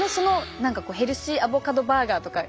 何かヘルシーアボカドバーガーとかよくない？